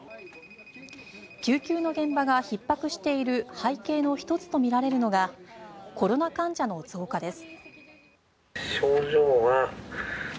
救急の現場がひっ迫している背景の１つとみられるのがコロナ患者の増加です。